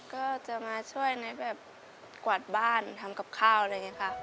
ก็จะมาช่วยในแบบกวาดบ้านทำกับข้าวเลยไงค่ะ